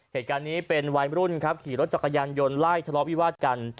เหตุการณ์นี้เป็นวัยรุ่นครับขี่รถจักรยานยนต์ไล่ทะเลาะวิวาดกัน